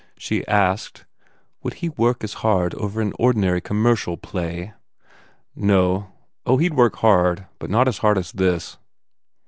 She asked, "Would he work as hard over an ordinary, com mercial play?" "No. Oh, he d work hard but not as hard as this."